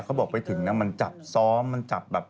เขาบอกไปถึงนะมันจับซ้อมมันจับแบบ